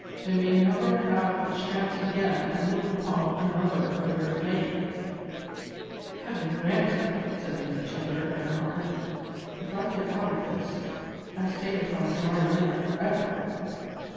They may never have a chance again to look upon another of your fame." "Heaven grant it!" said Dame Charter in her heart. "If I get out of this, I stay upon dry land forever."